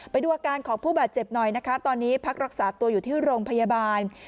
ไปดูอาการของผู้บาดเจ็บหน่อยนะคะตอนนี้พักรักษาตัวอยู่ที่โรงพยาบาล